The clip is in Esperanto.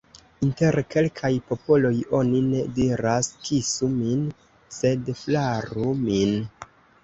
Inter kelkaj popoloj oni ne diras: « kisu min », sed « flaru min ».